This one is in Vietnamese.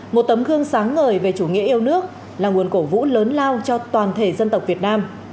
một tấm gương sáng ngời về chủ nghĩa yêu nước là nguồn cổ vũ lớn lao cho toàn thể dân tộc việt nam